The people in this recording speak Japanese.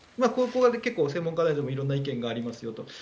これが結構専門家でも色んな意見がありますよと。